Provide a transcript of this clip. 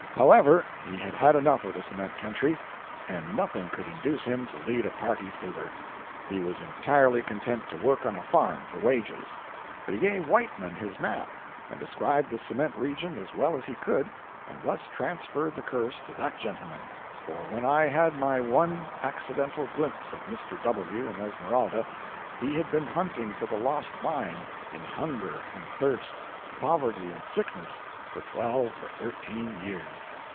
However, he had had enough of the cement country, and nothing could induce him to lead a party thither. He was entirely content to work on a farm for wages. But he gave Whiteman his map, and described the cement region as well as he could and thus transferred the curse to that gentleman—for when I had my one accidental glimpse of Mr. W. in Esmeralda he had been hunting for the lost mine, in hunger and thirst, poverty and sickness, for twelve or thirteen years.